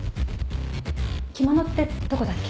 着物ってどこだっけ？